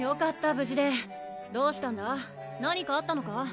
無事でどうしたんだ何かあったのか？